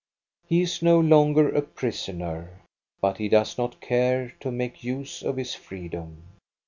He IS no longer a prisoner ; but he does not care to make use of his freedom.